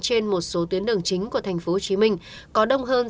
trên một số tuyến đường chính của thành phố hồ chí minh có đông hơn